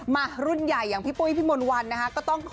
มารุ่นใหญ่อย่างพี่ปุ้ยพี่มลวัน